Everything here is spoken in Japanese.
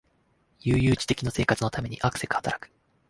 悠々自適の生活のためにあくせく働く